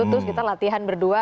terus kita latihan berdua